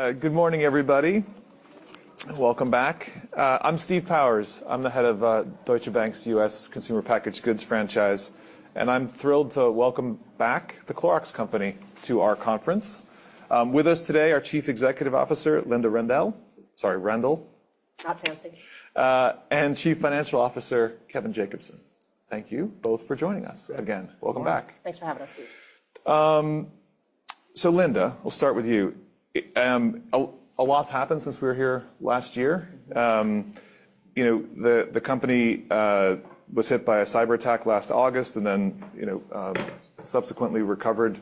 All right, good morning, everybody. Welcome back. I'm Steve Powers. I'm the head of Deutsche Bank's U.S. Consumer Packaged Goods Franchise, and I'm thrilled to welcome back The Clorox Company to our conference. With us today, our Chief Executive Officer, Linda Rendle. Sorry, Rendle. Not fancy. Chief Financial Officer, Kevin Jacobsen. Thank you both for joining us again. Welcome back. Thanks for having us, Steve. So Linda, we'll start with you. A lot's happened since we were here last year. You know, the company was hit by a cyberattack last August, and then, you know, subsequently recovered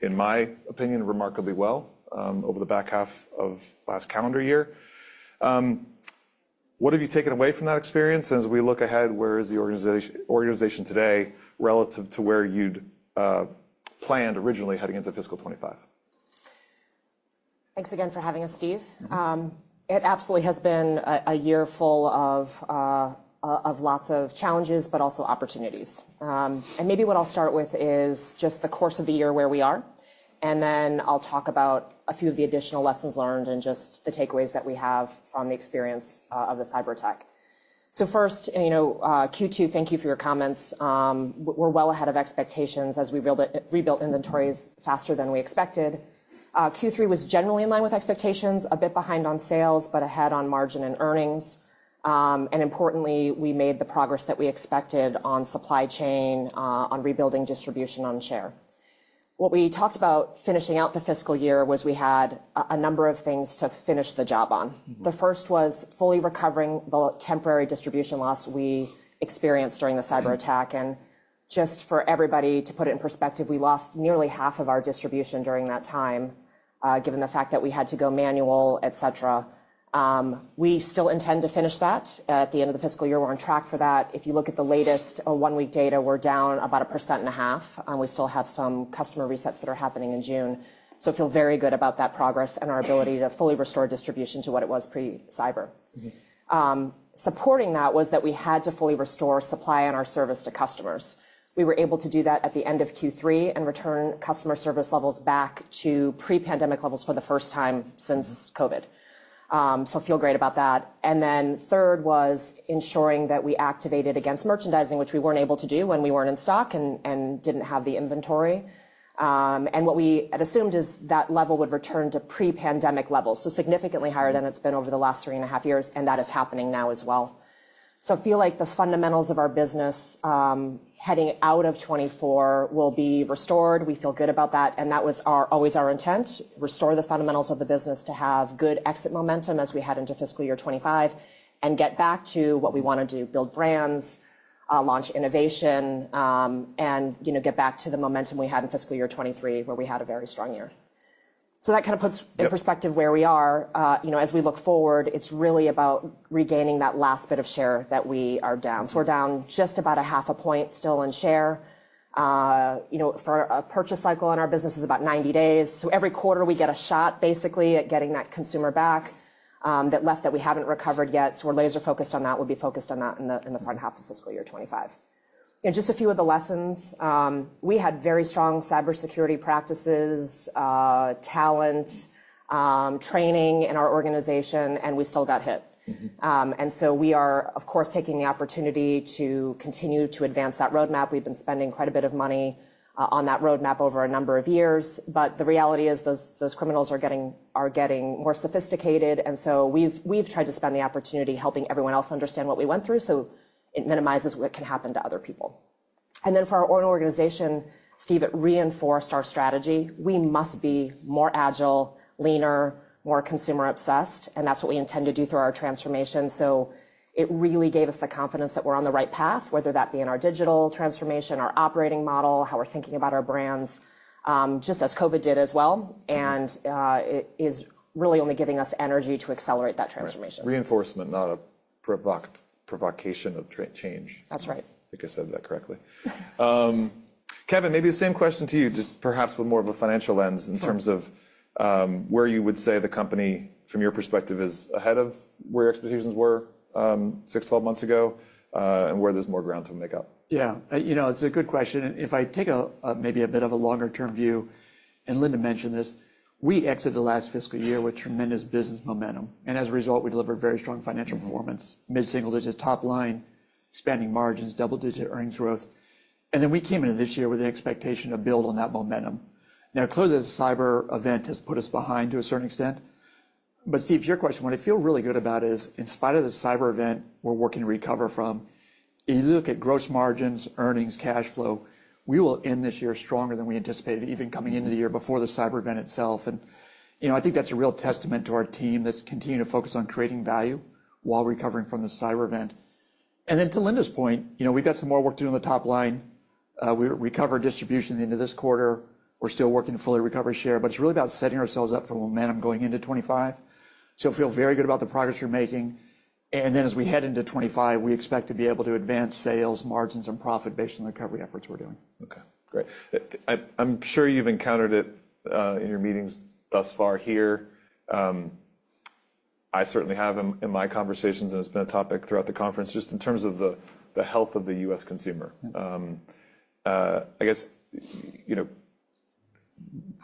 in my opinion remarkably well over the back half of last calendar year. What have you taken away from that experience? As we look ahead, where is the organization today, relative to where you'd planned originally heading into fiscal 2025? Thanks again for having us, Steve. It absolutely has been a year full of lots of challenges, but also opportunities. And maybe what I'll start with is just the course of the year, where we are, and then I'll talk about a few of the additional lessons learned and just the takeaways that we have from the experience of the cyberattack. So first, you know, Q2, thank you for your comments. We're well ahead of expectations as we rebuilt inventories faster than we expected. Q3 was generally in line with expectations, a bit behind on sales, but ahead on margin and earnings. And importantly, we made the progress that we expected on supply chain, on rebuilding distribution on share. What we talked about finishing out the fiscal year was we had a number of things to finish the job on. Mm-hmm. The first was fully recovering the temporary distribution loss we experienced during the cyberattack. Just for everybody, to put it in perspective, we lost nearly half of our distribution during that time, given the fact that we had to go manual, et cetera. We still intend to finish that at the end of the fiscal year. We're on track for that. If you look at the latest one-week data, we're down about 1.5%, and we still have some customer resets that are happening in June. So I feel very good about that progress and our ability to fully restore distribution to what it was pre-cyber. Mm-hmm. Supporting that was that we had to fully restore supply and our service to customers. We were able to do that at the end of Q3 and return customer service levels back to pre-pandemic levels for the first time since COVID. So feel great about that. And then third was ensuring that we activated against merchandising, which we weren't able to do when we weren't in stock and didn't have the inventory. And what we had assumed is that level would return to pre-pandemic levels, so significantly higher than it's been over the last three and a half years, and that is happening now as well. So I feel like the fundamentals of our business, heading out of 2024 will be restored. We feel good about that, and that was always our intent, restore the fundamentals of the business to have good exit momentum as we head into fiscal year 2025 and get back to what we want to do, build brands, launch innovation, and, you know, get back to the momentum we had in fiscal year 2023, where we had a very strong year. So that kind of puts- Yep... in perspective where we are. You know, as we look forward, it's really about regaining that last bit of share that we are down. Mm-hmm. So we're down just about 0.5 point still in share. You know, for a purchase cycle in our business is about 90 days, so every quarter, we get a shot, basically, at getting that consumer back, that left, that we haven't recovered yet. So we're laser-focused on that. We'll be focused on that in the front half of fiscal year 2025. And just a few of the lessons. We had very strong cybersecurity practices, talent, training in our organization, and we still got hit. Mm-hmm. And so we are, of course, taking the opportunity to continue to advance that roadmap. We've been spending quite a bit of money on that roadmap over a number of years, but the reality is, those criminals are getting more sophisticated, and so we've tried to spend the opportunity helping everyone else understand what we went through, so it minimizes what can happen to other people. And then for our own organization, Steve, it reinforced our strategy. We must be more agile, leaner, more consumer obsessed, and that's what we intend to do through our transformation. So it really gave us the confidence that we're on the right path, whether that be in our digital transformation, our operating model, how we're thinking about our brands, just as COVID did as well. Mm-hmm. It is really only giving us energy to accelerate that transformation. Right. Reinforcement, not a provocation of change. That's right. I think I said that correctly. Kevin, maybe the same question to you, just perhaps with more of a financial lens- Sure In terms of where you would say the company, from your perspective, is ahead of where expectations were six, 12 months ago, and where there's more ground to make up? Yeah, you know, it's a good question, and if I take a, maybe a bit of a longer-term view, and Linda mentioned this: We exited the last fiscal year with tremendous business momentum, and as a result, we delivered very strong financial performance, mid-single digits, top line, expanding margins, double-digit earnings growth. And then we came into this year with an expectation to build on that momentum. Now, clearly, the cyber event has put us behind to a certain extent, but Steve, to your question, what I feel really good about is, in spite of the cyber event we're working to recover from, if you look at gross margins, earnings, cash flow, we will end this year stronger than we anticipated, even coming into the year before the cyber event itself. You know, I think that's a real testament to our team that's continuing to focus on creating value while recovering from the cyber event. And then to Linda's point, you know, we've got some more work to do on the top line. We recovered distribution into this quarter. We're still working to fully recover share, but it's really about setting ourselves up for momentum going into 2025. So I feel very good about the progress we're making. And then, as we head into 2025, we expect to be able to advance sales, margins, and profit based on the recovery efforts we're doing. Okay, great. I'm sure you've encountered it in your meetings thus far here. I certainly have in my conversations, and it's been a topic throughout the conference, just in terms of the health of the U.S. consumer. I guess, you know,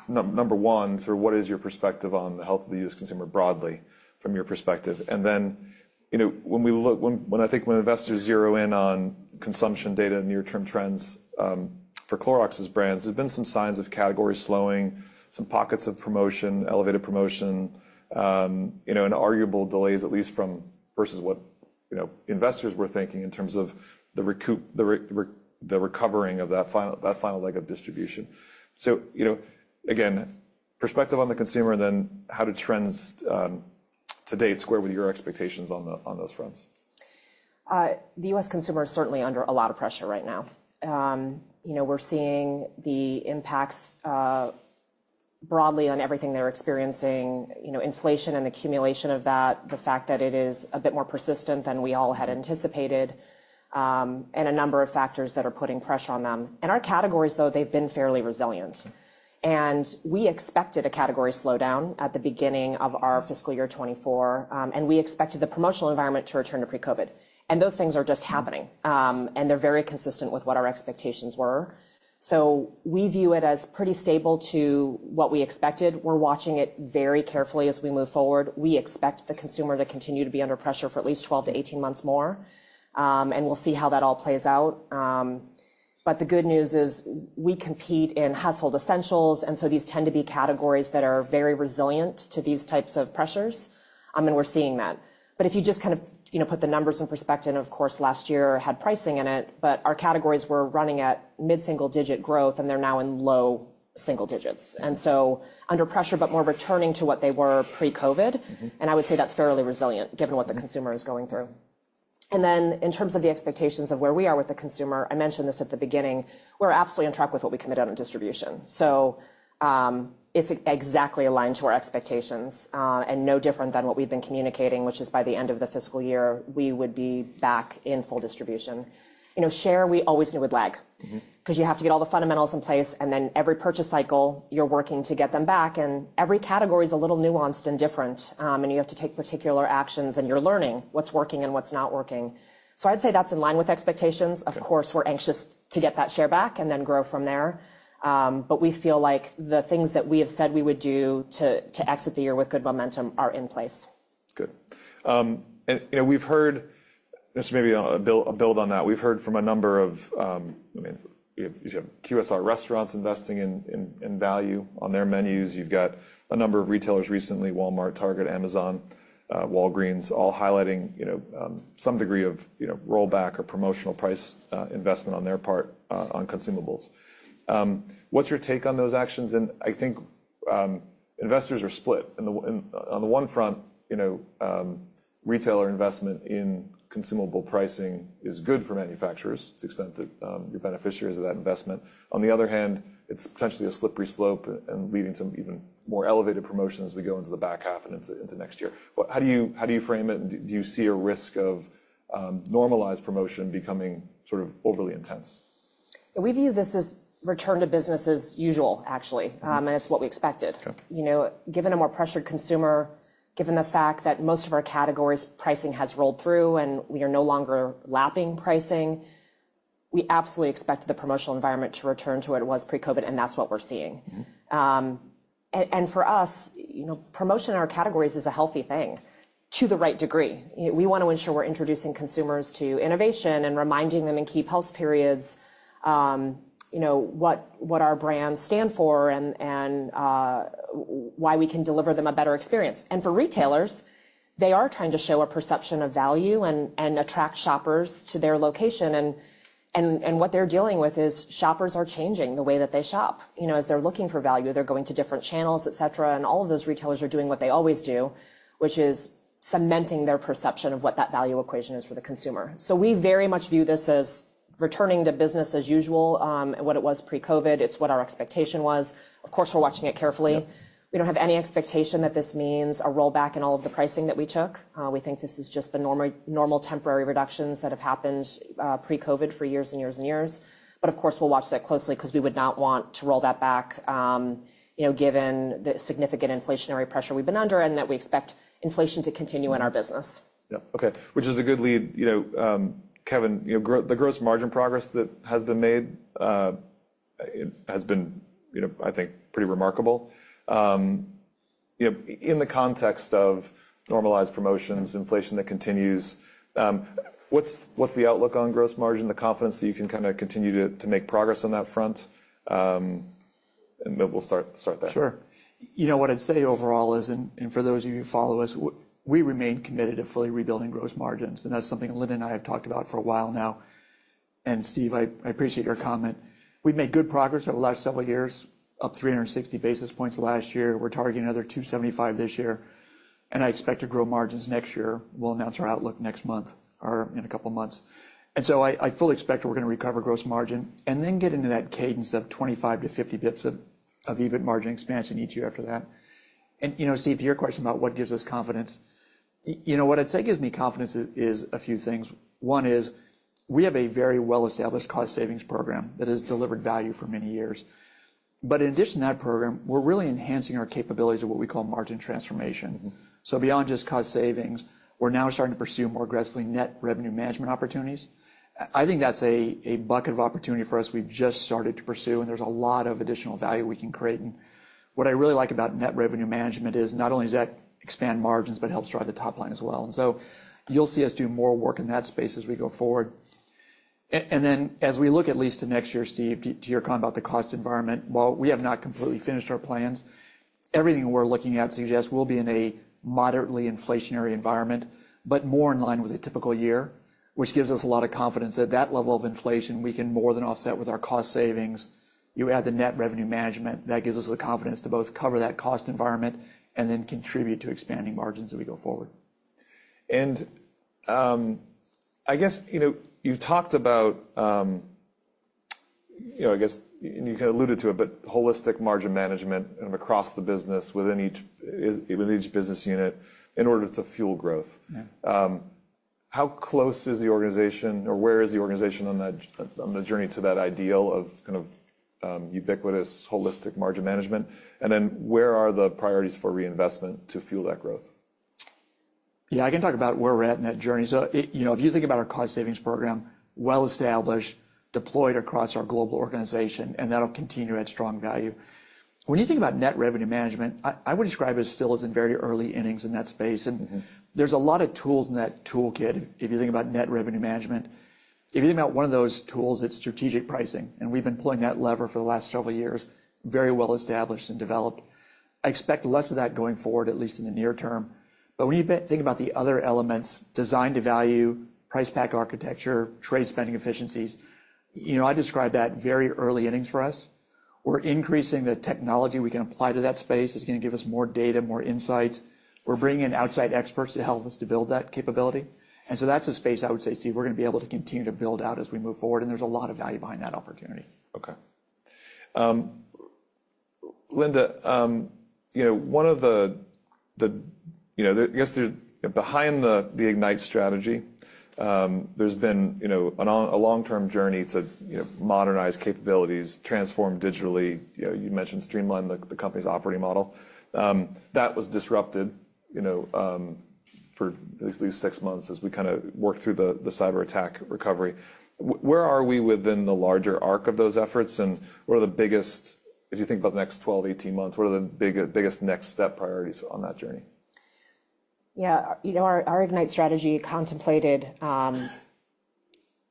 number one, sort of what is your perspective on the health of the U.S. consumer broadly from your perspective? And then, you know, when we look, when I think when investors zero in on consumption data and near-term trends for Clorox's brands, there's been some signs of category slowing, some pockets of promotion, elevated promotion, you know, and arguable delays, at least from versus what, you know, investors were thinking in terms of the recovering of that final, that final leg of distribution. You know, again, perspective on the consumer and then how do trends to date square with your expectations on those fronts? The U.S. consumer is certainly under a lot of pressure right now. You know, we're seeing the impacts broadly on everything they're experiencing, you know, inflation and accumulation of that, the fact that it is a bit more persistent than we all had anticipated, and a number of factors that are putting pressure on them. Our categories, though, they've been fairly resilient. We expected a category slowdown at the beginning of our fiscal year 2024, and we expected the promotional environment to return to pre-COVID. Those things are just happening, and they're very consistent with what our expectations were. We view it as pretty stable to what we expected. We're watching it very carefully as we move forward. We expect the consumer to continue to be under pressure for at least 12-18 months more, and we'll see how that all plays out. But the good news is we compete in household essentials, and so these tend to be categories that are very resilient to these types of pressures, and we're seeing that. But if you just kind of, you know, put the numbers in perspective, and of course, last year had pricing in it, but our categories were running at mid-single-digit growth, and they're now in low single digits. And so under pressure, but more returning to what they were pre-COVID, and I would say that's fairly resilient given what the consumer is going through. Then in terms of the expectations of where we are with the consumer, I mentioned this at the beginning, we're absolutely on track with what we committed on distribution. So, it's exactly aligned to our expectations, and no different than what we've been communicating, which is by the end of the fiscal year, we would be back in full distribution. You know, share, we always knew would lag. Mm-hmm. 'Cause you have to get all the fundamentals in place, and then every purchase cycle, you're working to get them back, and every category is a little nuanced and different, and you have to take particular actions, and you're learning what's working and what's not working. So I'd say that's in line with expectations. Okay. Of course, we're anxious to get that share back and then grow from there. But we feel like the things that we have said we would do to exit the year with good momentum are in place. Good. And, you know, we've heard... Just maybe a build on that. We've heard from a number of, I mean, you have QSR restaurants investing in value on their menus. You've got a number of retailers recently, Walmart, Target, Amazon, Walgreens, all highlighting, you know, some degree of, you know, rollback or promotional price investment on their part, on consumables. What's your take on those actions? And I think investors are split. On the one front, you know, retailer investment in consumable pricing is good for manufacturers to the extent that you're beneficiaries of that investment. On the other hand, it's potentially a slippery slope and leading to even more elevated promotion as we go into the back half and into next year. How do you, how do you frame it, and do you see a risk of normalized promotion becoming sort of overly intense? We view this as return to business as usual, actually, and it's what we expected. Sure. You know, given a more pressured consumer, given the fact that most of our categories, pricing has rolled through, and we are no longer lapping pricing, we absolutely expect the promotional environment to return to what it was pre-COVID, and that's what we're seeing. Mm-hmm. For us, you know, promotion in our categories is a healthy thing, to the right degree. We wanna ensure we're introducing consumers to innovation and reminding them in key pulse periods, you know, what our brands stand for and, and why we can deliver them a better experience. And for retailers, they are trying to show a perception of value and attract shoppers to their location, and what they're dealing with is shoppers are changing the way that they shop. You know, as they're looking for value, they're going to different channels, et cetera, and all of those retailers are doing what they always do, which is cementing their perception of what that value equation is for the consumer. So we very much view this as returning to business as usual, and what it was pre-COVID. It's what our expectation was. Of course, we're watching it carefully. Yeah. We don't have any expectation that this means a rollback in all of the pricing that we took. We think this is just the normal, normal temporary reductions that have happened pre-COVID for years and years and years. But of course, we'll watch that closely because we would not want to roll that back, you know, given the significant inflationary pressure we've been under and that we expect inflation to continue in our business. Yeah, okay, which is a good lead. You know, Kevin, you know, the gross margin progress that has been made has been, you know, I think, pretty remarkable. You know, in the context of normalized promotions, inflation that continues, what's the outlook on gross margin, the confidence that you can kinda continue to make progress on that front? And we'll start there. Sure. You know, what I'd say overall is, and for those of you who follow us, we remain committed to fully rebuilding gross margins, and that's something Linda and I have talked about for a while now. And Steve, I appreciate your comment. We've made good progress over the last several years, up 360 basis points last year. We're targeting another 275 this year, and I expect to grow margins next year. We'll announce our outlook next month or in a couple of months. And so I fully expect we're gonna recover gross margin and then get into that cadence of 25-50 basis points of EBIT margin expansion each year after that. And, you know, Steve, to your question about what gives us confidence, you know, what I'd say gives me confidence is a few things. One is-... We have a very well-established cost savings program that has delivered value for many years. But in addition to that program, we're really enhancing our capabilities of what we call margin transformation. So beyond just cost savings, we're now starting to pursue more aggressively net revenue management opportunities. I think that's a bucket of opportunity for us we've just started to pursue, and there's a lot of additional value we can create. And what I really like about net revenue management is not only does that expand margins, but it helps drive the top line as well. And so you'll see us do more work in that space as we go forward. And then as we look at least to next year, Steve, to your comment about the cost environment, while we have not completely finished our plans, everything we're looking at suggests we'll be in a moderately inflationary environment, but more in line with a typical year, which gives us a lot of confidence. At that level of inflation, we can more than offset with our cost savings. You add the net revenue management, that gives us the confidence to both cover that cost environment and then contribute to expanding margins as we go forward. I guess, you know, you talked about, you know, I guess, and you kind of alluded to it, but holistic margin management and across the business within each business unit in order to fuel growth. Yeah. How close is the organization or where is the organization on that, on the journey to that ideal of kind of, ubiquitous, holistic margin management? And then where are the priorities for reinvestment to fuel that growth? Yeah, I can talk about where we're at in that journey. So, you know, if you think about our cost savings program, well-established, deployed across our global organization, and that'll continue to add strong value. When you think about net revenue management, I would describe it as still in very early innings in that space. Mm-hmm. And there's a lot of tools in that toolkit if you think about net revenue management. If you think about one of those tools, it's strategic pricing, and we've been pulling that lever for the last several years, very well established and developed. I expect less of that going forward, at least in the near term. But when you think about the other elements, design to value, price pack architecture, trade spending efficiencies, you know, I describe that very early innings for us. We're increasing the technology we can apply to that space. It's going to give us more data, more insights. We're bringing in outside experts to help us to build that capability. And so that's a space I would say, Steve, we're going to be able to continue to build out as we move forward, and there's a lot of value behind that opportunity. Okay. Linda, you know, one of the, you know, I guess, behind the Ignite strategy, there's been, you know, a long-term journey to, you know, modernize capabilities, transform digitally, you know, you mentioned streamline the company's operating model. That was disrupted, you know, for at least six months as we kind of worked through the cyberattack recovery. Where are we within the larger arc of those efforts, and what are the biggest... If you think about the next 12, 18 months, what are the biggest next step priorities on that journey? Yeah. You know, our Ignite strategy contemplated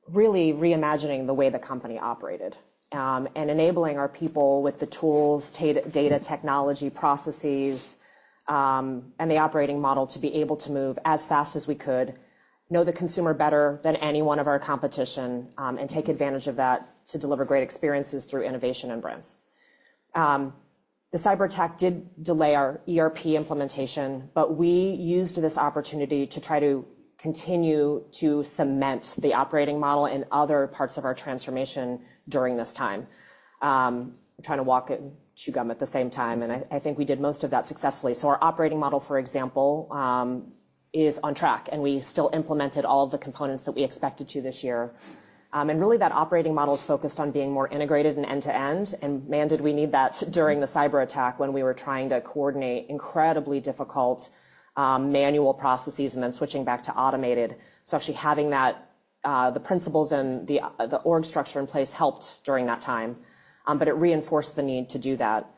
really reimagining the way the company operated, and enabling our people with the tools, data, technology processes, and the operating model to be able to move as fast as we could, know the consumer better than any one of our competition, and take advantage of that to deliver great experiences through innovation and brands. The cyberattack did delay our ERP implementation, but we used this opportunity to try to continue to cement the operating model in other parts of our transformation during this time. Trying to walk and chew gum at the same time, and I think we did most of that successfully. So our operating model, for example, is on track, and we still implemented all of the components that we expected to this year. And really, that operating model is focused on being more integrated and end-to-end, and man, did we need that during the cyberattack when we were trying to coordinate incredibly difficult manual processes and then switching back to automated. So actually having that, the principles and the org structure in place helped during that time, but it reinforced the need to do that.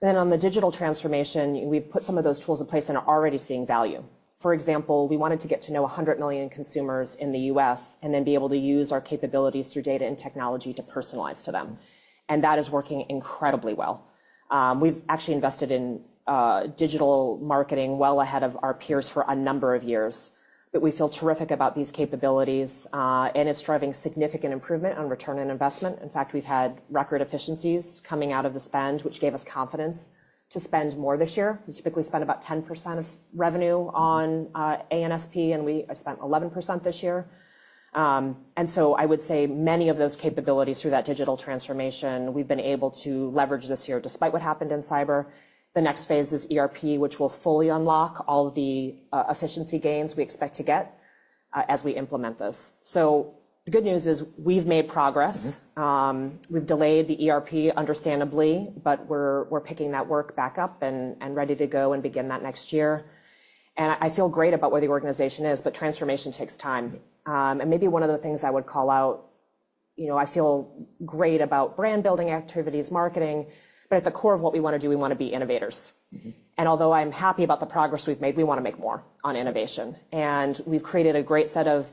Then on the digital transformation, we've put some of those tools in place and are already seeing value. For example, we wanted to get to know 100 million consumers in the U.S. and then be able to use our capabilities through data and technology to personalize to them, and that is working incredibly well. We've actually invested in digital marketing well ahead of our peers for a number of years, but we feel terrific about these capabilities, and it's driving significant improvement on return on investment. In fact, we've had record efficiencies coming out of the spend, which gave us confidence to spend more this year. We typically spend about 10% of revenue on A&SP, and we spent 11% this year. And so I would say many of those capabilities through that digital transformation, we've been able to leverage this year, despite what happened in cyber. The next phase is ERP, which will fully unlock all the efficiency gains we expect to get as we implement this. So the good news is we've made progress. Mm-hmm. We've delayed the ERP, understandably, but we're picking that work back up and ready to go and begin that next year. I feel great about where the organization is, but transformation takes time. Maybe one of the things I would call out, you know, I feel great about brand building activities, marketing, but at the core of what we want to do, we want to be innovators. Mm-hmm. Although I'm happy about the progress we've made, we want to make more on innovation. We've created a great set of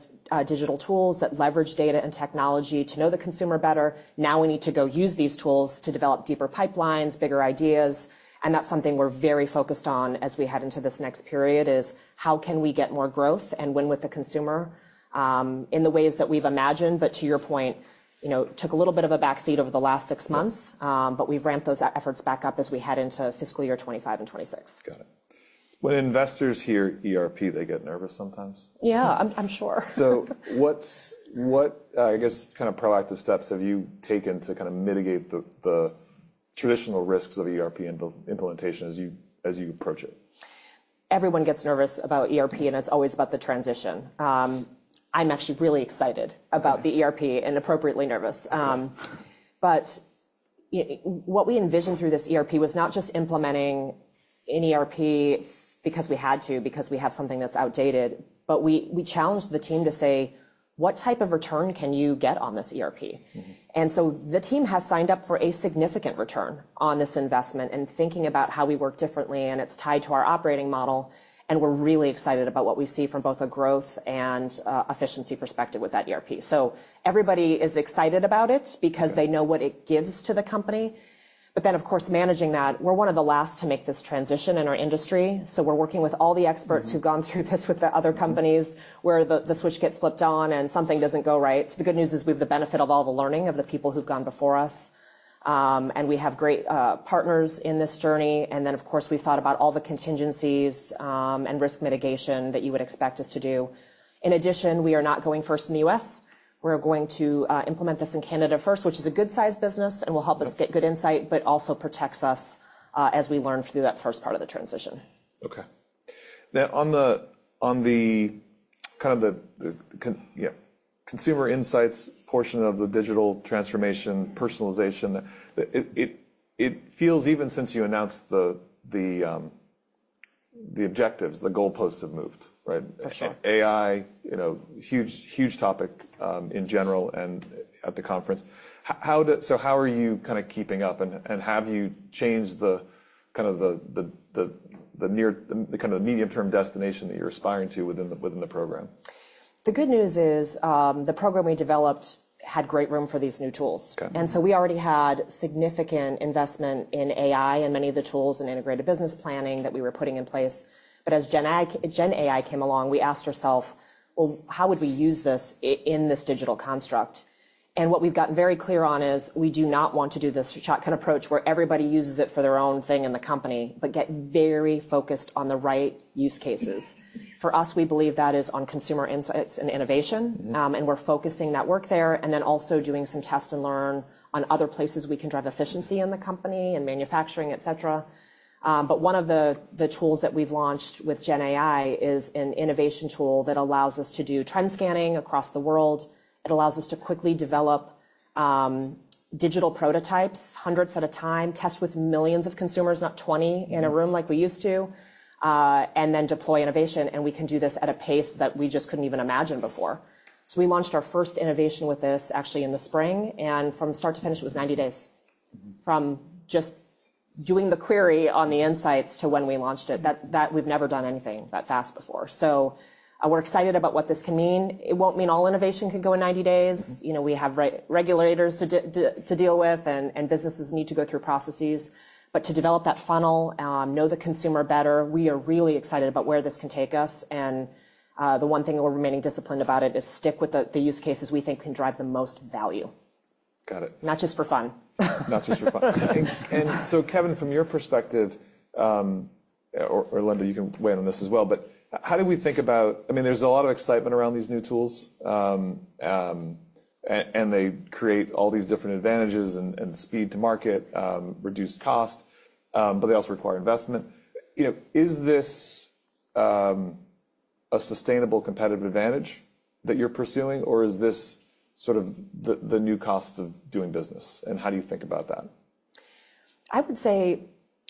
digital tools that leverage data and technology to know the consumer better. Now we need to go use these tools to develop deeper pipelines, bigger ideas, and that's something we're very focused on as we head into this next period, is how can we get more growth and win with the consumer, in the ways that we've imagined, but to your point, you know, took a little bit of a backseat over the last six months. Yeah. We've ramped those efforts back up as we head into fiscal year 2025 and 2026. Got it. When investors hear ERP, they get nervous sometimes? Yeah, I'm sure. So what, I guess, kind of proactive steps have you taken to kind of mitigate the traditional risks of ERP implementation as you approach it?... everyone gets nervous about ERP, and it's always about the transition. I'm actually really excited about the ERP and appropriately nervous. But what we envisioned through this ERP was not just implementing an ERP because we had to, because we have something that's outdated, but we, we challenged the team to say: What type of return can you get on this ERP? Mm-hmm. And so the team has signed up for a significant return on this investment and thinking about how we work differently, and it's tied to our operating model, and we're really excited about what we see from both a growth and efficiency perspective with that ERP. So everybody is excited about it- Yeah. because they know what it gives to the company. But then, of course, managing that, we're one of the last to make this transition in our industry, so we're working with all the experts- Mm-hmm. who've gone through this with the other companies, where the switch gets flipped on and something doesn't go right. So the good news is we have the benefit of all the learning of the people who've gone before us. And we have great partners in this journey, and then, of course, we've thought about all the contingencies and risk mitigation that you would expect us to do. In addition, we are not going first in the U.S. We're going to implement this in Canada first, which is a good-sized business and will help us get good insight, but also protects us as we learn through that first part of the transition. Okay. Now, on the kind of consumer insights portion of the digital transformation, personalization, it feels even since you announced the objectives, the goalposts have moved, right? For sure. AI, you know, huge, huge topic in general and at the conference. So how are you kind of keeping up, and have you changed the kind of medium-term destination that you're aspiring to within the program? The good news is, the program we developed had great room for these new tools. Okay. And so we already had significant investment in AI and many of the tools and Integrated Business Planning that we were putting in place. But as Gen AI came along, we asked ourselves, "Well, how would we use this in this digital construct?" What we've gotten very clear on is, we do not want to do this ad hoc kind of approach, where everybody uses it for their own thing in the company, but get very focused on the right use cases. For us, we believe that is on consumer insights and innovation. Mm-hmm. And we're focusing that work there and then also doing some test and learn on other places we can drive efficiency in the company, in manufacturing, et cetera. But one of the tools that we've launched with Gen AI is an innovation tool that allows us to do trend scanning across the world. It allows us to quickly develop digital prototypes, hundreds at a time, test with millions of consumers, not 20 in a room like we used to, and then deploy innovation. And we can do this at a pace that we just couldn't even imagine before. So we launched our first innovation with this, actually, in the spring, and from start to finish, it was 90 days. Mm-hmm. From just doing the query on the insights to when we launched it, that we've never done anything that fast before. So, we're excited about what this can mean. It won't mean all innovation can go in 90 days. Mm-hmm. You know, we have regulators to deal with, and businesses need to go through processes. But to develop that funnel, know the consumer better, we are really excited about where this can take us, and the one thing that we're remaining disciplined about it is stick with the use cases we think can drive the most value. Got it. Not just for fun. Not just for fun. And so Kevin, from your perspective, or Linda, you can weigh in on this as well, but how do we think about... I mean, there's a lot of excitement around these new tools. And they create all these different advantages and speed to market, reduce cost, but they also require investment. You know, is this a sustainable competitive advantage that you're pursuing, or is this sort of the new cost of doing business? And how do you think about that? I would say,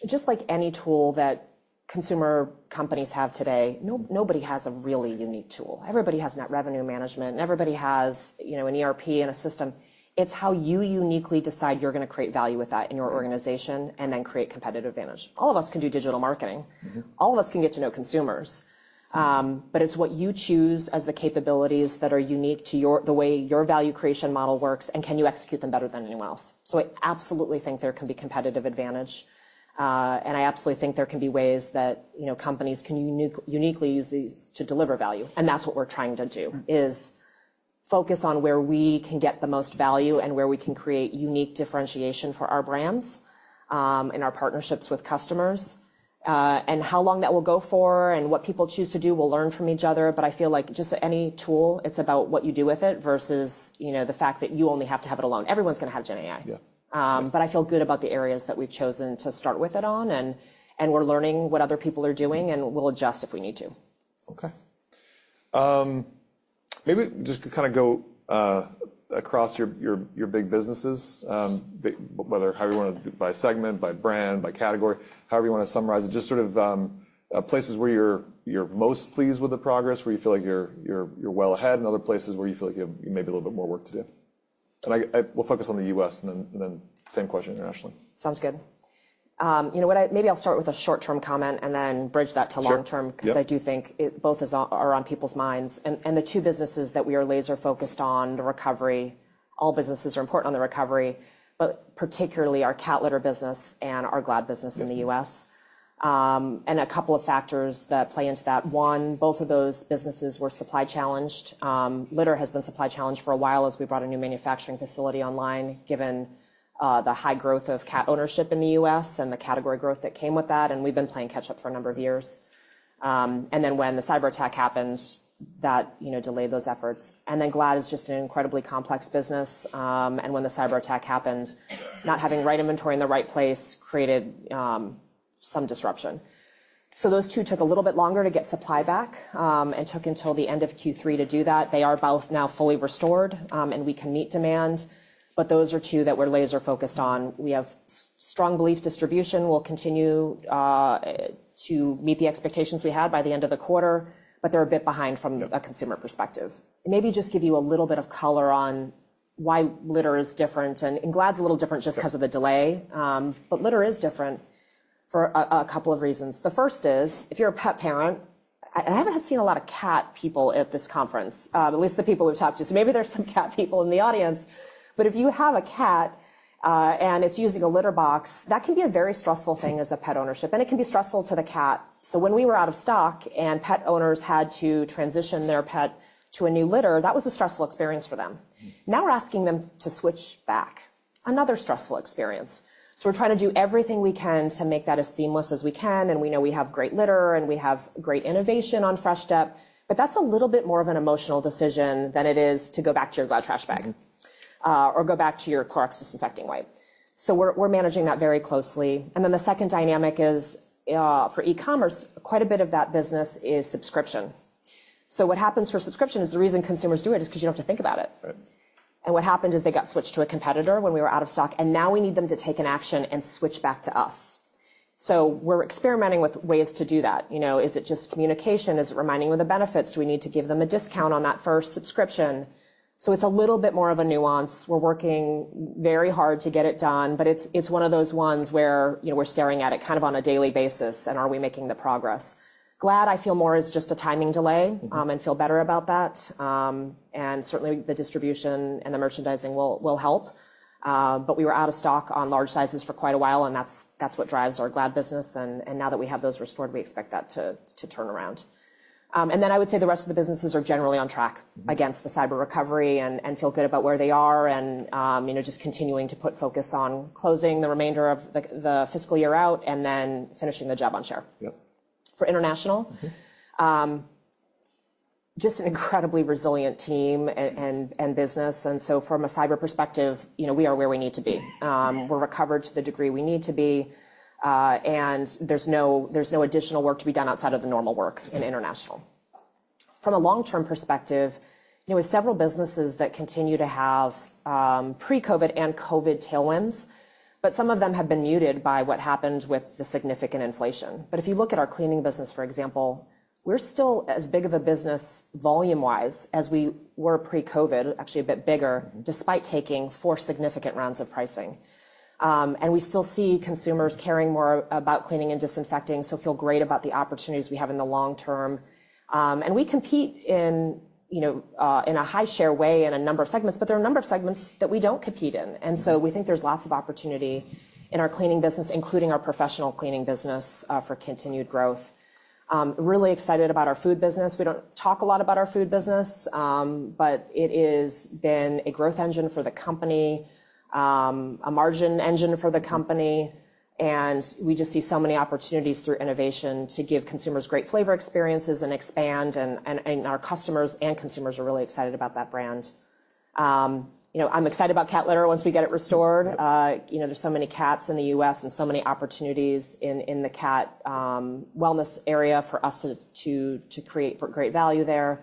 just like any tool that consumer companies have today, nobody has a really unique tool. Everybody has net revenue management, and everybody has, you know, an ERP and a system. It's how you uniquely decide you're going to create value with that in your organization. Mm-hmm. and then create competitive advantage. All of us can do digital marketing. Mm-hmm. All of us can get to know consumers. But it's what you choose as the capabilities that are unique to your-- the way your value creation model works, and can you execute them better than anyone else? So I absolutely think there can be competitive advantage, and I absolutely think there can be ways that, you know, companies can uniquely, uniquely use these to deliver value, and that's what we're trying to do. Mm-hmm. is focus on where we can get the most value and where we can create unique differentiation for our brands, and our partnerships with customers. And how long that will go for and what people choose to do, we'll learn from each other, but I feel like just any tool, it's about what you do with it versus, you know, the fact that you only have to have it alone. Everyone's going to have Gen AI. Yeah. But I feel good about the areas that we've chosen to start with it on, and we're learning what other people are doing, and we'll adjust if we need to. Okay. Maybe just to kind of go across your big businesses, whether how you want to, by segment, by brand, by category, however you want to summarize it, just sort of places where you're most pleased with the progress, where you feel like you're well ahead, and other places where you feel like you have maybe a little bit more work to do. We'll focus on the U.S., and then same question internationally. Sounds good. You know what? Maybe I'll start with a short-term comment and then bridge that to long term- Sure. Yep. Because I do think it both is on, are on people's minds. And the two businesses that we are laser focused on, the recovery, all businesses are important on the recovery, but particularly our cat litter business and our Glad business in the U.S. Mm-hmm. And a couple of factors that play into that: one, both of those businesses were supply challenged. Litter has been supply challenged for a while as we brought a new manufacturing facility online, given the high growth of cat ownership in the U.S. and the category growth that came with that, and we've been playing catch up for a number of years. And then, when the cyberattack happened, that, you know, delayed those efforts. And then Glad is just an incredibly complex business, and when the cyberattack happened, not having the right inventory in the right place created some disruption. So those two took a little bit longer to get supply back, and took until the end of Q3 to do that. They are both now fully restored, and we can meet demand, but those are two that we're laser-focused on. We have strong belief distribution will continue to meet the expectations we had by the end of the quarter, but they're a bit behind from a consumer perspective. Maybe just give you a little bit of color on why litter is different, and Glad's a little different just because of the delay. But litter is different for a couple of reasons. The first is, if you're a pet parent, and I haven't seen a lot of cat people at this conference, at least the people we've talked to, so maybe there's some cat people in the audience. But if you have a cat, and it's using a litter box, that can be a very stressful thing as a pet ownership, and it can be stressful to the cat. So when we were out of stock and pet owners had to transition their pet to a new litter, that was a stressful experience for them. Now we're asking them to switch back, another stressful experience. So we're trying to do everything we can to make that as seamless as we can, and we know we have great litter, and we have great innovation on Fresh Step, but that's a little bit more of an emotional decision than it is to go back to your Glad trash bag, or go back to your Clorox disinfecting wipe. So we're managing that very closely. And then the second dynamic is, for e-commerce, quite a bit of that business is subscription. So what happens for subscription is the reason consumers do it is because you don't have to think about it. Right. What happened is they got switched to a competitor when we were out of stock, and now we need them to take an action and switch back to us. We're experimenting with ways to do that. You know, is it just communication? Is it reminding them of the benefits? Do we need to give them a discount on that first subscription? It's a little bit more of a nuance. We're working very hard to get it done, but it's one of those ones where, you know, we're staring at it kind of on a daily basis, and are we making the progress? Glad, I feel more is just a timing delay, and feel better about that. And certainly, the distribution and the merchandising will help, but we were out of stock on large sizes for quite a while, and that's what drives our Glad business, and now that we have those restored, we expect that to turn around. And then I would say the rest of the businesses are generally on track against the cyber recovery and feel good about where they are, and you know, just continuing to put focus on closing the remainder of the fiscal year out and then finishing the job on share. Yep. For international, just an incredibly resilient team and business. So from a cyber perspective, you know, we are where we need to be. We're recovered to the degree we need to be, and there's no additional work to be done outside of the normal work in international. From a long-term perspective, there were several businesses that continue to have pre-COVID and COVID tailwinds, but some of them have been muted by what happened with the significant inflation. But if you look at our cleaning business, for example, we're still as big of a business, volume-wise, as we were pre-COVID, actually a bit bigger, despite taking four significant rounds of pricing. And we still see consumers caring more about cleaning and disinfecting, so feel great about the opportunities we have in the long term. And we compete in, you know, in a high-share way in a number of segments, but there are a number of segments that we don't compete in. And so we think there's lots of opportunity in our cleaning business, including our professional cleaning business, for continued growth. Really excited about our food business. We don't talk a lot about our food business, but it is been a growth engine for the company, a margin engine for the company, and we just see so many opportunities through innovation to give consumers great flavor experiences and expand, and our customers and consumers are really excited about that brand. You know, I'm excited about cat litter once we get it restored. Yep. You know, there's so many cats in the U.S. and so many opportunities in the cat wellness area for us to create for great value there.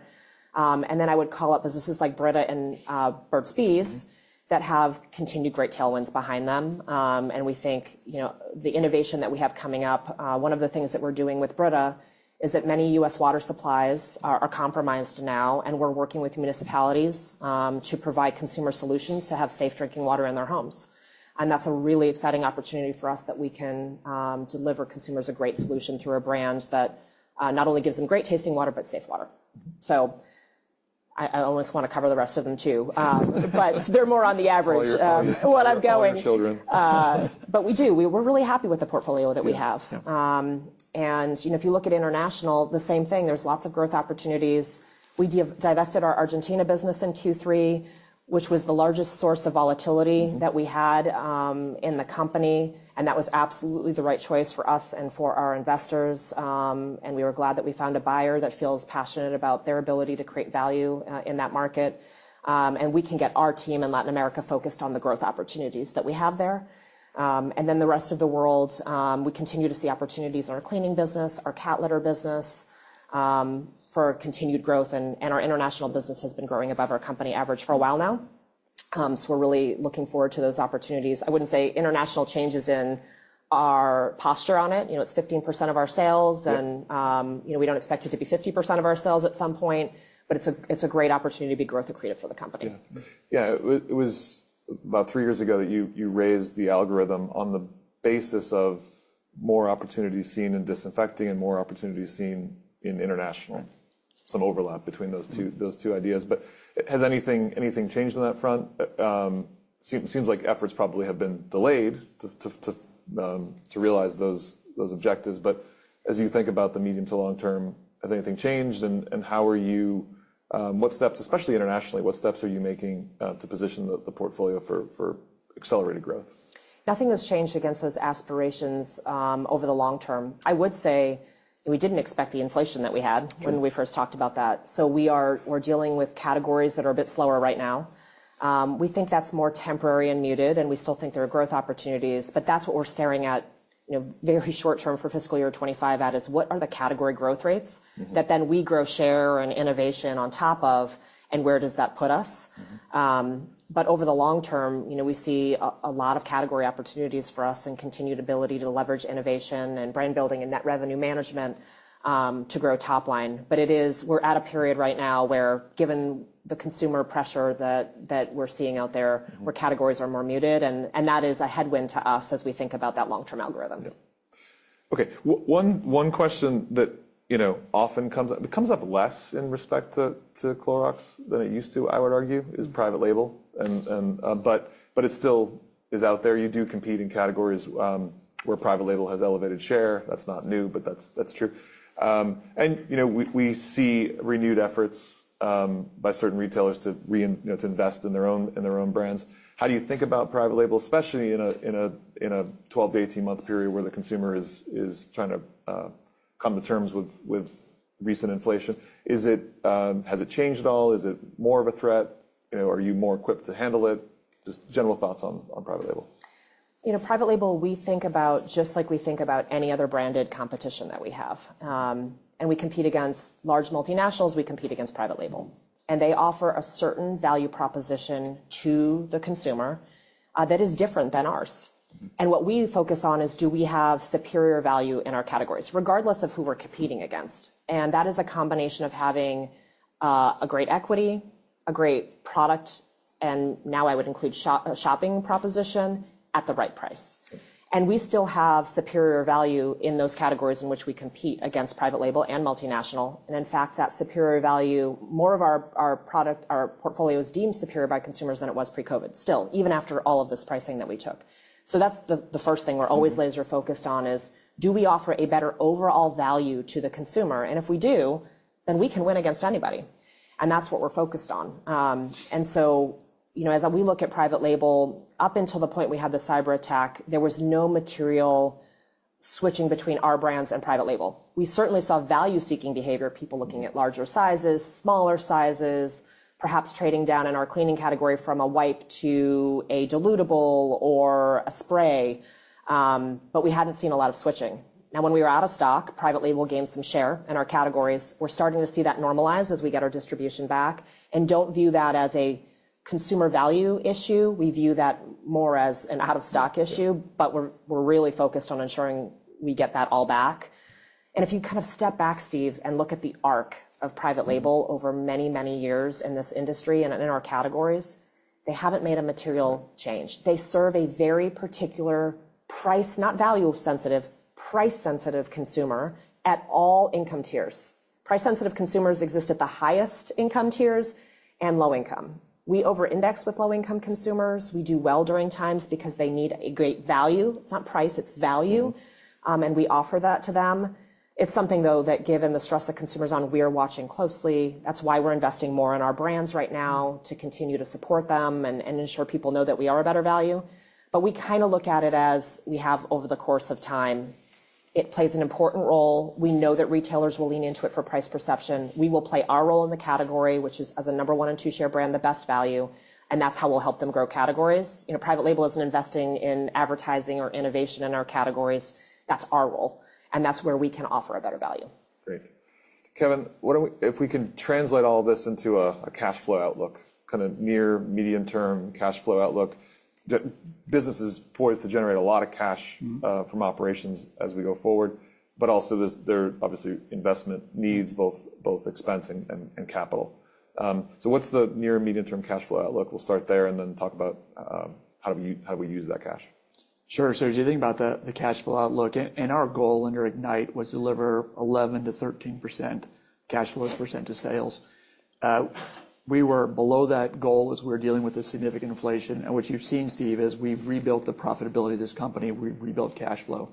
And then I would call out businesses like Brita and Burt's Bees that have continued great tailwinds behind them. And we think, you know, the innovation that we have coming up, one of the things that we're doing with Brita is that many U.S. water supplies are compromised now, and we're working with municipalities to provide consumer solutions to have safe drinking water in their homes. And that's a really exciting opportunity for us that we can deliver consumers a great solution through a brand that not only gives them great-tasting water, but safe water. So I almost want to cover the rest of them, too, but they're more on the average- All your- of what I'm going. All your children. But we do. We're really happy with the portfolio that we have. Yeah, yeah. And, you know, if you look at international, the same thing, there's lots of growth opportunities. We divested our Argentina business in Q3, which was the largest source of volatility that we had in the company, and that was absolutely the right choice for us and for our investors. And we were glad that we found a buyer that feels passionate about their ability to create value in that market. And we can get our team in Latin America focused on the growth opportunities that we have there. And then the rest of the world, we continue to see opportunities in our cleaning business, our cat litter business for continued growth, and our international business has been growing above our company average for a while now. So we're really looking forward to those opportunities. I wouldn't say international changes in our posture on it. You know, it's 15% of our sales, and, you know, we don't expect it to be 50% of our sales at some point, but it's a, it's a great opportunity to be growth accretive for the company. Yeah. Yeah, it was about three years ago that you raised the algorithm on the basis of more opportunities seen in disinfecting and more opportunities seen in international. Right. Some overlap between those two ideas. But has anything changed on that front? Seems like efforts probably have been delayed to realize those objectives. But as you think about the medium to long term, has anything changed, and how are you... What steps, especially internationally, what steps are you making to position the portfolio for accelerated growth?... Nothing has changed against those aspirations over the long term. I would say we didn't expect the inflation that we had when we first talked about that. So we're dealing with categories that are a bit slower right now. We think that's more temporary and muted, and we still think there are growth opportunities, but that's what we're staring at, you know, very short term for fiscal year 2025, is what are the category growth rates? That then we grow, share, and innovation on top of, and where does that put us? But over the long term, you know, we see a lot of category opportunities for us and continued ability to leverage innovation and brand building and net revenue management to grow top line. But it is... We're at a period right now where, given the consumer pressure that we're seeing out there, where categories are more muted, and that is a headwind to us as we think about that long-term algorithm. Yep. Okay, one question that, you know, often comes up, it comes up less in respect to, to Clorox than it used to, I would argue, is private label. And, and, but, but it still is out there. You do compete in categories, where private label has elevated share. That's not new, but that's, that's true. And, you know, we, we see renewed efforts, by certain retailers to you know, to invest in their own, in their own brands. How do you think about private label, especially in a 12-18-month period where the consumer is, is trying to, come to terms with, with recent inflation? Is it... Has it changed at all? Is it more of a threat? You know, are you more equipped to handle it? Just general thoughts on, on private label. You know, private label, we think about just like we think about any other branded competition that we have. And we compete against large multinationals, we compete against private label, and they offer a certain value proposition to the consumer, that is different than ours. And what we focus on is, do we have superior value in our categories, regardless of who we're competing against? And that is a combination of having, a great equity, a great product, and now I would include shopping proposition at the right price. And we still have superior value in those categories in which we compete against private label and multinational. And in fact, that superior value, more of our, our product, our portfolio is deemed superior by consumers than it was pre-COVID, still, even after all of this pricing that we took. So that's the first thing we're always laser focused on is: do we offer a better overall value to the consumer? And if we do, then we can win against anybody, and that's what we're focused on. And so, you know, as we look at private label, up until the point we had the cyberattack, there was no material switching between our brands and private label. We certainly saw value-seeking behavior, people looking at larger sizes, smaller sizes, perhaps trading down in our cleaning category from a wipe to a dilutable or a spray, but we hadn't seen a lot of switching. Now, when we were out of stock, private label gained some share in our categories. We're starting to see that normalize as we get our distribution back and don't view that as a consumer value issue. We view that more as an out-of-stock issue, but we're really focused on ensuring we get that all back. And if you kind of step back, Steve, and look at the arc of private label over many, many years in this industry and in our categories, they haven't made a material change. They serve a very particular price, not value sensitive, price-sensitive consumer at all income tiers. Price-sensitive consumers exist at the highest income tiers and low income. We over-index with low-income consumers. We do well during times because they need a great value. It's not price, it's value, and we offer that to them. It's something, though, that given the stress that consumers on, we are watching closely. That's why we're investing more in our brands right now, to continue to support them and ensure people know that we are a better value. But we kinda look at it as we have over the course of time. It plays an important role. We know that retailers will lean into it for price perception. We will play our role in the category, which is, as a number one and two share brand, the best value, and that's how we'll help them grow categories. You know, private label isn't investing in advertising or innovation in our categories. That's our role, and that's where we can offer a better value. Great. Kevin, what if we can translate all this into a cash flow outlook, kind of near medium-term cash flow outlook? The business is poised to generate a lot of cash- Mm-hmm. from operations as we go forward, but also there are obviously investment needs, both expense and capital. So what's the near medium-term cash flow outlook? We'll start there and then talk about how do we use that cash. Sure. So as you think about the cash flow outlook, and our goal under Ignite was deliver 11%-13% cash flow as a percent to sales. We were below that goal as we were dealing with the significant inflation. And what you've seen, Steve, is we've rebuilt the profitability of this company, we've rebuilt cash flow.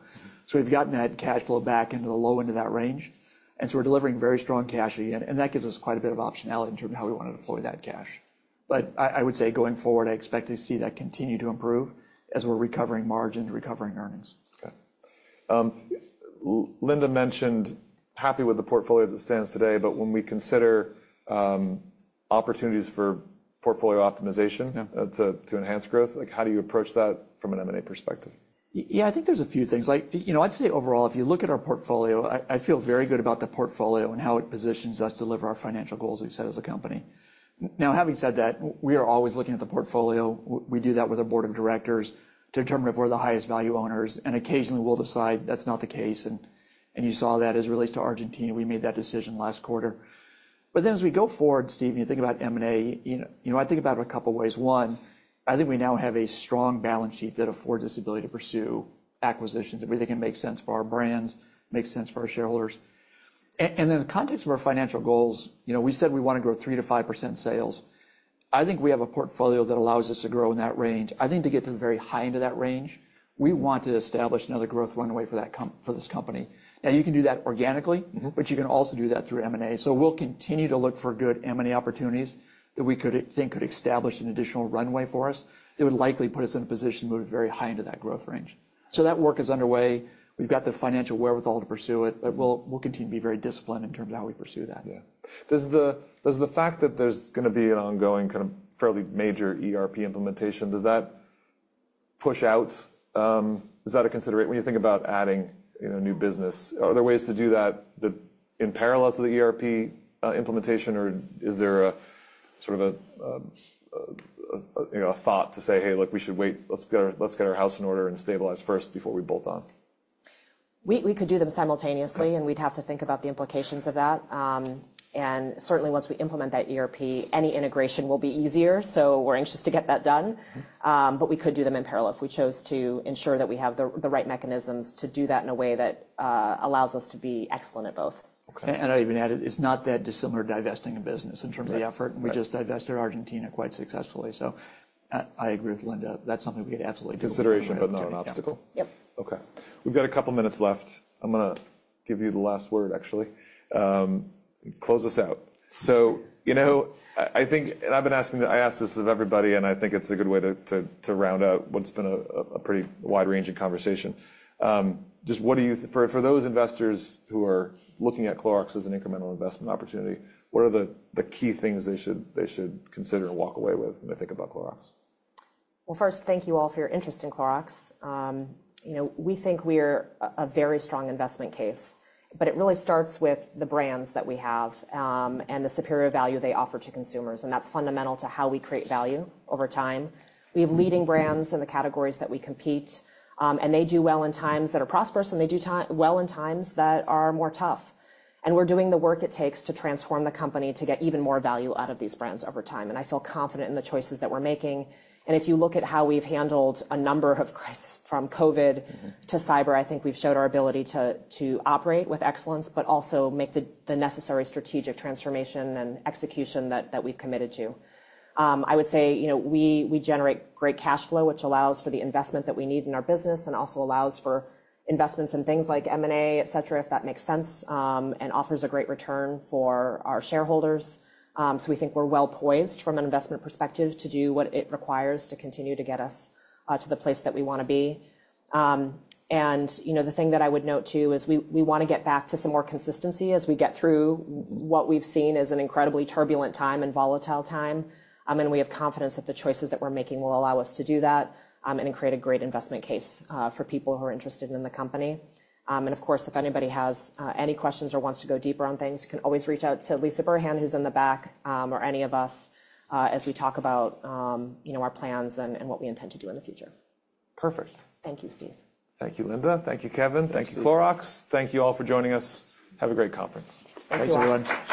So we've gotten that cash flow back into the low end of that range, and so we're delivering very strong cash again, and that gives us quite a bit of optionality in terms of how we want to deploy that cash. But I would say, going forward, I expect to see that continue to improve as we're recovering margin, recovering earnings. Okay. Linda mentioned happy with the portfolio as it stands today, but when we consider opportunities for portfolio optimization- Yeah... to enhance growth, like, how do you approach that from an M&A perspective? Yeah, I think there's a few things. Like, you know, I'd say overall, if you look at our portfolio, I feel very good about the portfolio and how it positions us to deliver our financial goals we've set as a company. Now, having said that, we are always looking at the portfolio. We do that with our board of directors to determine if we're the highest value owners, and occasionally, we'll decide that's not the case, and you saw that as it relates to Argentina. We made that decision last quarter. But then as we go forward, Steve, you think about M&A, you know, you know, I think about it a couple ways. One, I think we now have a strong balance sheet that affords us ability to pursue acquisitions that we think it makes sense for our brands, makes sense for our shareholders. And in the context of our financial goals, you know, we said we want to grow 3%-5% sales. I think we have a portfolio that allows us to grow in that range. I think to get to the very high end of that range, we want to establish another growth runway for that com—for this company. Now, you can do that organically- Mm-hmm. But you can also do that through M&A. So we'll continue to look for good M&A opportunities that we could think could establish an additional runway for us, that would likely put us in a position to move very high into that growth range. So that work is underway. We've got the financial wherewithal to pursue it, but we'll, we'll continue to be very disciplined in terms of how we pursue that. Yeah. Does the fact that there's gonna be an ongoing, kind of, fairly major ERP implementation, does that push out... Is that a consideration when you think about adding, you know, new business? Are there ways to do that, that in parallel to the ERP implementation, or is there a, sort of a, you know, a thought to say, "Hey, look, we should wait. Let's get our house in order and stabilize first before we bolt on? We could do them simultaneously- Okay. And we'd have to think about the implications of that. Certainly, once we implement that ERP, any integration will be easier, so we're anxious to get that done. Mm-hmm. But we could do them in parallel if we chose to ensure that we have the right mechanisms to do that in a way that allows us to be excellent at both. Okay. I'd even add, it's not that dissimilar to divesting a business in terms of the effort. Right. Right. We just divested Argentina quite successfully, so, I agree with Linda. That's something we could absolutely do. Consideration, but not an obstacle? Yep. Okay. We've got a couple minutes left. I'm gonna give you the last word, actually. Close us out. So, you know, I think, and I've been asking, I ask this of everybody, and I think it's a good way to round out what's been a pretty wide-ranging conversation. Just what do you—for those investors who are looking at Clorox as an incremental investment opportunity, what are the key things they should consider and walk away with when they think about Clorox? Well, first, thank you all for your interest in Clorox. You know, we think we're a very strong investment case, but it really starts with the brands that we have, and the superior value they offer to consumers, and that's fundamental to how we create value over time. We have leading brands in the categories that we compete, and they do well in times that are prosperous, and they do well in times that are more tough. We're doing the work it takes to transform the company to get even more value out of these brands over time, and I feel confident in the choices that we're making. If you look at how we've handled a number of crises, from COVID- Mm-hmm... to cyber, I think we've showed our ability to operate with excellence, but also make the necessary strategic transformation and execution that we've committed to. I would say, you know, we generate great cash flow, which allows for the investment that we need in our business, and also allows for investments in things like M&A, et cetera, if that makes sense, and offers a great return for our shareholders. So we think we're well-poised from an investment perspective to do what it requires to continue to get us to the place that we wanna be. And, you know, the thing that I would note, too, is we wanna get back to some more consistency as we get through what we've seen as an incredibly turbulent time and volatile time. We have confidence that the choices that we're making will allow us to do that, and create a great investment case for people who are interested in the company. And, of course, if anybody has any questions or wants to go deeper on things, you can always reach out to Lisah Burhan, who's in the back, or any of us, as we talk about, you know, our plans and what we intend to do in the future. Perfect. Thank you, Steve. Thank you, Linda. Thank you, Kevin. Thank you. Thank you, Clorox. Thank you all for joining us. Have a great conference. Thanks, everyone.